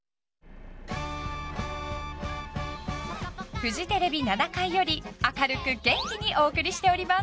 フジテレビ７階より明るく元気にお送りしております。